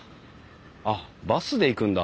あっバスで行くんだ。